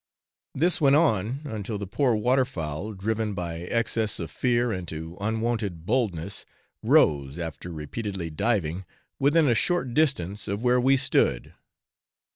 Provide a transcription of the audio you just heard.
This went on until the poor water fowl, driven by excess of fear into unwonted boldness, rose, after repeatedly diving, within a short distance of where we stood.